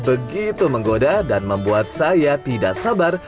begitu menggoda dan membuat saya tidak sabar